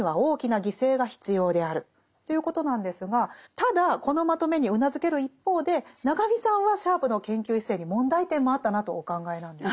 ただこのまとめにうなずける一方で中見さんはシャープの研究姿勢に問題点もあったなとお考えなんですよね。